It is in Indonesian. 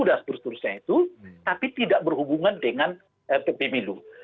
dan seterusnya itu tapi tidak berhubungan dengan pemilu